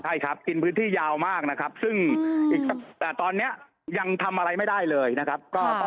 ใช่ครับกินพื้นที่ยาวมากนะครับซึ่งตอนนี้ยังทำอะไรไม่ได้เลยนะครับ